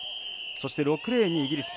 そして６レーンにイギリス。